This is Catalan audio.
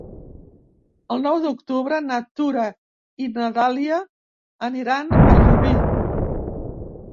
El nou d'octubre na Tura i na Dàlia aniran a Llubí.